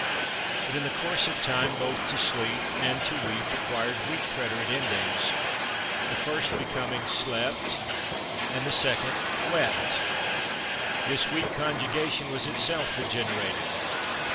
But in the course of time both /to sleep/ and /to weep/ acquired weak preterite endings, the first becoming /slâepte/ and the second /wepte/. This weak conjugation was itself degenerated.